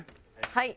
はい。